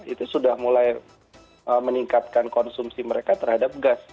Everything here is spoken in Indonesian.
itu sudah mulai meningkatkan konsumsi mereka terhadap gas